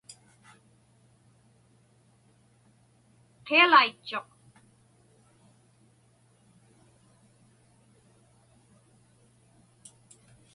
Qialaitchuq.